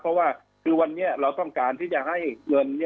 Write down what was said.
เพราะว่าคือวันนี้เราต้องการที่จะให้เงิน